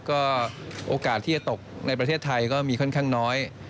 ก็โอกาสที่จะตกในประเทศไทยก็มีค่อนข้างน้อย